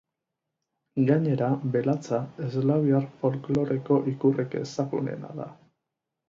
Gainera, belatza, eslaviar folkloreko ikurrik ezagunena da.